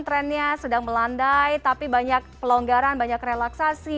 trendnya sedang melandai tapi banyak pelonggaran banyak relaksasi